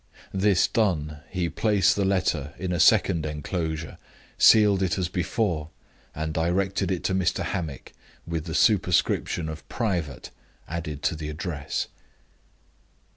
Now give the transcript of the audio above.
This done, he placed the letter in a second inclosure, sealed it as before, and directed it to Mr. Hammick, with the superscription of "private" added to the address.